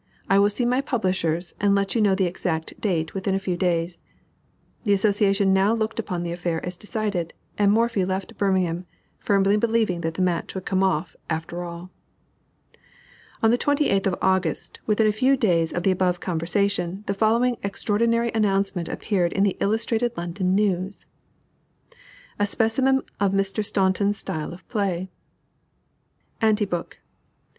I will see my publishers, and let you know the exact date within a few days." The association now looked upon the affair as decided, and Morphy left Birmingham, firmly believing that the match would come off after all. On the 28th of August, within a few days of the above conversation, the following extraordinary announcement appeared in the Illustrated London News: A SPECIMEN OF MR. STAUNTON'S STYLE OF PLAY. ANTI BOOK.